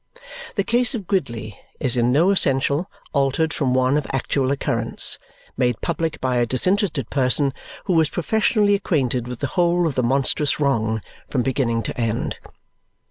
The case of Gridley is in no essential altered from one of actual occurrence, made public by a disinterested person who was professionally acquainted with the whole of the monstrous wrong from beginning to end.